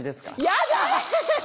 やだ！